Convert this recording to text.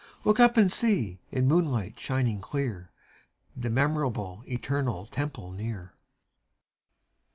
Look up and see, in moonlight shining clear, The memorable, eternal Temple near!